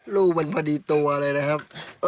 ลูกมันพอดีตัวเลยนะครับ